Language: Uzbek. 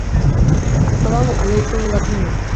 Assalomu alaykum, Vladimir.